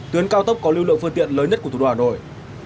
tuyến cao tốc có lưu lượng phương tiện lớn nhất của thủ đô hà nội